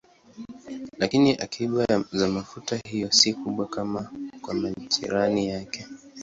Lakini akiba za mafuta hayo si kubwa kama kwa majirani yake.